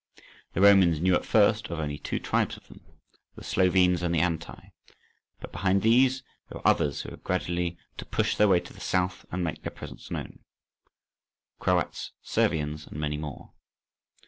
The Romans knew at first of only two tribes of them, the Slovenes and Antae, but behind these there were others who were gradually to push their way to the south and make their presence known—Croats, Servians, and many more.